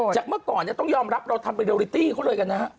จากเมื่อก่อนจะต้องยอมรับเราทำรีโอริตี้เขาเลยกันนะ